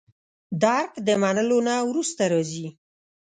درک د منلو نه وروسته راځي.